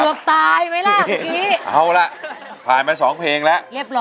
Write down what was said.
มากันทั้งคณะ